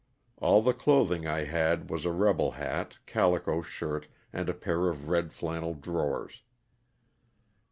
All the clothing I had was a rebel hat, calico shirt, and a pair of red llannel drawers.